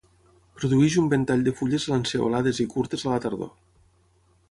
Produeix un ventall de fulles lanceolades i curtes a la tardor.